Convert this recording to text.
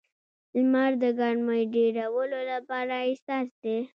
لمر د ګرمۍ ډېرولو لپاره اساس دی.